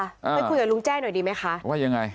ไปคุยกับลุงแจ้หน่อยดีไหมคะว่ายังไง